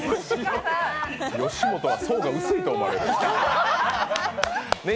吉本は層が薄いと思われる。